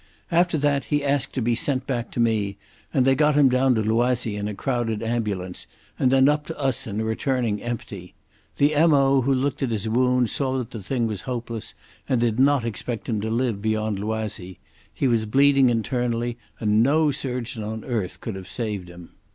After that he asked to be sent back to me, and they got him down to Loisy in a crowded ambulance, and then up to us in a returning empty. The M.O. who looked at his wound saw that the thing was hopeless, and did not expect him to live beyond Loisy. He was bleeding internally and no surgeon on earth could have saved him.